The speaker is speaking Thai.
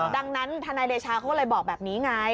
ดังนั้นทนายเดชาเขาก็เลยบอกแบบนี้ไง